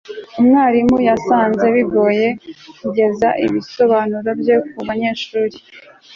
umwarimu yasanze bigoye kugeza ibisobanuro bye kubanyeshuri